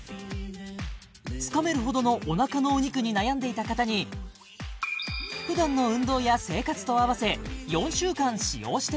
つかめるほどのおなかのお肉に悩んでいた方に普段の運動や生活とあわせ４週間使用してもらったところ